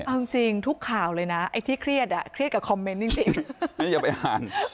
เอาจริงทุกข่าวเลยนะไอ้ที่เครียดอ่ะเครียดกับคอมเมนต์จริง